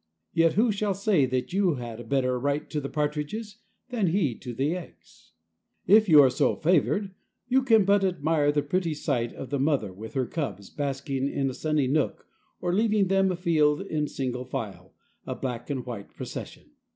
Yet who shall say that you had a better right to the partridges than he to the eggs? If you are so favored, you can but admire the pretty sight of the mother with her cubs basking in a sunny nook or leading them afield in single file, a black and white procession.